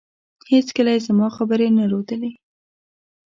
هېڅکله يې زما خبرې نه ردولې.